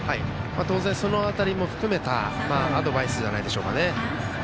当然、その辺りも含めたアドバイスじゃないでしょうか。